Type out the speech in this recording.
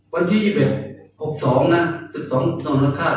วันที่๒๑สิบสองสิบสองสองยนต์ฆ่าคด